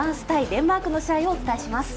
デンマークの試合をお伝えします。